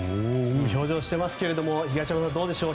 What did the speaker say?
いい表情していますが東山さん、どうでしょう。